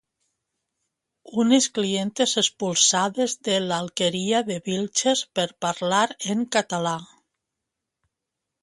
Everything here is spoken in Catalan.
Unes clientes expulsades de l'Alquería de Vilches per parlar en català